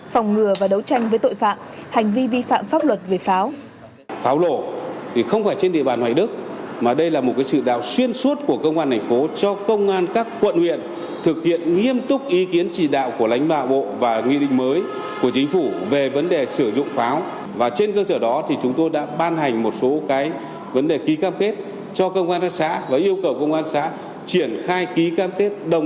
phòng ngừa và đấu tranh với tội phạm hành vi vi phạm pháp luật về pháo